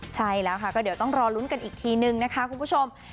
ใช่แล้วค่ะก็เดี๋ยวต้องรอลุ้นกันอีกทีนึงนะคะคุณผู้ชม